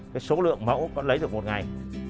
cái số lượng mẫu có lấy được một ngày